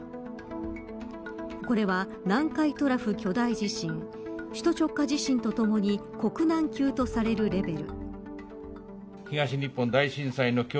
これは、南海トラフ巨大地震首都直下地震とともに国難級とされるレベル。